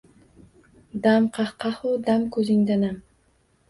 Dam qah-qahu, dam ko’zingda nam